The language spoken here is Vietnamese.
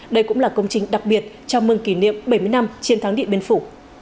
đây cũng là công trình đặc biệt chào mừng kỷ niệm bảy mươi năm chiến thắng điện biên phủ